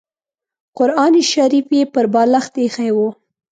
قران شریف یې پر بالښت اېښی و.